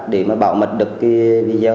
để mà bảo mật được cái video